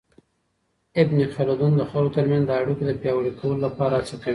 ابن خلدون د خلګو ترمنځ د اړیکو د پياوړي کولو لپاره هڅه کوي.